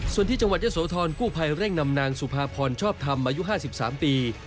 ส่วนที่จังหวัดยะโสธรกู้ภัยเร่งนำนางสุภาพรชอบธรรมอายุ๕๓ปี